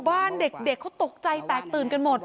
บ้านเด็กเขาตกใจแตกตื่นกันหมด